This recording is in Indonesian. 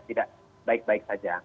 tidak baik baik saja